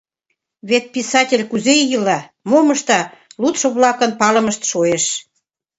Вет писатель кузе ила, мом ышта — лудшо-влакын палымышт шуэш...